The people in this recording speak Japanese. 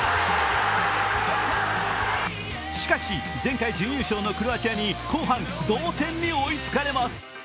しかし前回準優勝のクロアチアに後半、同点に追いつかれます。